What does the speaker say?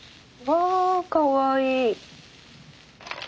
わあかわいい。